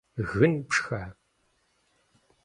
Гын пшха?!